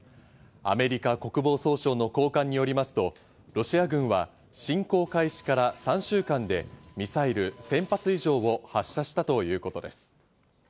アメリカ国防総省の高官によりますと、ロシア軍は侵攻開始から３週間でミサイル１０００発以上を発射したということです。